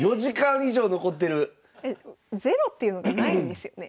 ゼロっていうのがないんですよね。